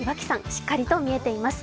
しっかり見えています。